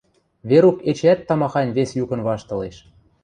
Верук эчеӓт тамахань вес юкын ваштылеш.